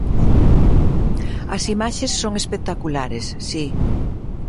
As imaxes son espectaculares, si.